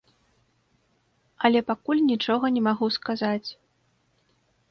Але пакуль нічога не магу сказаць.